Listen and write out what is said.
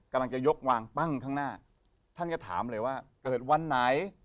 กำลังจะยกวางปั้งข้างหน้าท่านก็ถามเลยว่าเกิดวันไหน